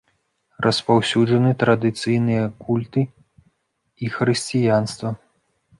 Распаўсюджаны традыцыйныя культы і хрысціянства.